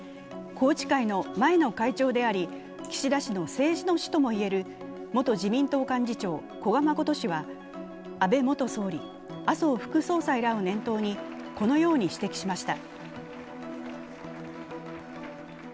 宏池会の前の会長であり岸田氏の政治の師ともいえる元自民党幹事長・古賀誠氏は、安倍元総理、麻生副総理らを念頭にこのように指摘しました。